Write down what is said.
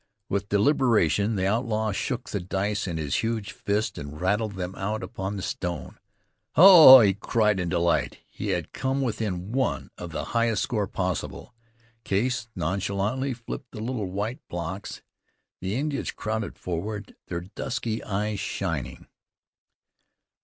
With deliberation the outlaw shook the dice in his huge fist, and rattled them out upon the stone. "Hah!" he cried in delight. He had come within one of the highest score possible. Case nonchalantly flipped the little white blocks. The Indians crowded forward, their dusky eyes shining.